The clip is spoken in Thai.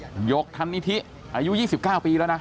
หยกทันนิษฐิอายุ๒๙ปีแล้วนะ